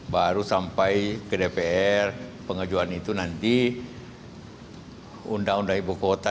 baru sampai ke dpr pengajuan itu nanti undang undang ibu kota